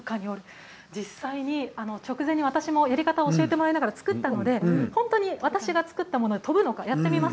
実際に私もやり方を教えてもらいながら作ったので本当に私が作ったもので飛ぶのかやってみます。